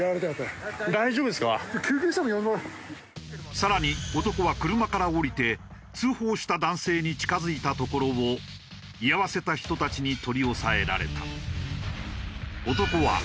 さらに男は車から降りて通報した男性に近づいたところを居合わせた人たちに取り押さえられた。